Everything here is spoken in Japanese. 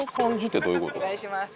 お願いします。